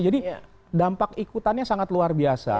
jadi dampak ikutannya sangat luar biasa